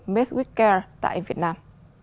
made with care tại việt nam